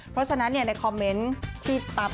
เพราะฉะนั้นในปรากฏที่ตับ